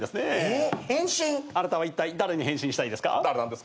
あなたはいったい誰に変身したいですか？